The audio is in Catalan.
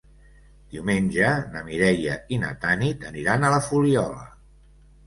Diumenge na Mireia i na Tanit aniran a la Fuliola.